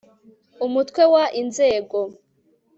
UMUTWE WA INZEGO